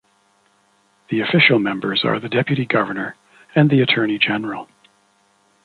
The official members are the deputy governor and the attorney general.